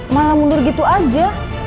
malah mundur gitu aja